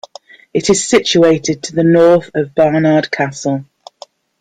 It is situated to the north of Barnard Castle.